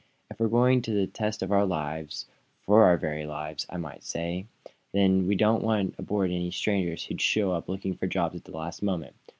"If we're going into the test of our lives for our very lives, I might say then we don't want aboard any strangers who show up looking for jobs at the last moment.